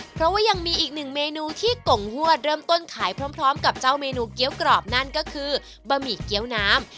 เพราะว่ายังมีอีกหนึ่งเมนูที่กงฮวดเริ่มต้นขายพร้อมกับเจ้าเมนูเกี้ยวกรอบนั่นก็คือบะหมี่เกี้ยวน้ำ